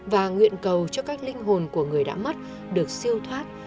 và nguyện cầu cho các linh hồn của người đã mất được siêu thoát